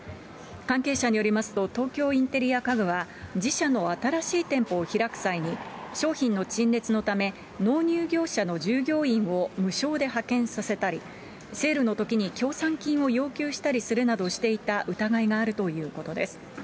関係者によりますと、東京インテリア家具は、自社の新しい店舗を開く際に、商品の陳列のため、納入業者の従業員を無償で派遣させたり、セールのときに協賛金を要求したりするなどしていた疑いがあるということです。